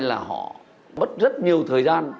là họ bất rất nhiều thời gian